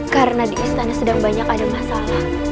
karena di istana sedang banyak ada masalah